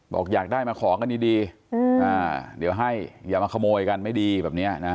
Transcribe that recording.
บอกอยากได้มาขอกันดีเดี๋ยวให้อย่ามาขโมยกันไม่ดีแบบนี้นะ